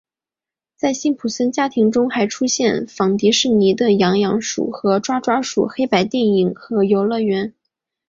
在辛普森家庭中还出现仿迪士尼的痒痒鼠与抓抓猫黑白电影和游乐园。